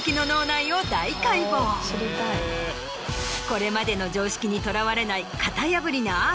これまでの常識にとらわれない。